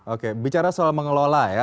oke bicara soal mengelola ya